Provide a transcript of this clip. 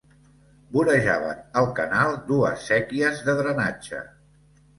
Vorejaven el canal dues séquies de drenatge.